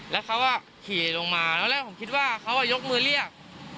แล้วเขาก็ขี่ลงมาตอนแรกผมคิดว่าเขายกมือเรียก